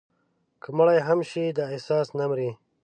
که مړي هم شي، دا احساس نه مري»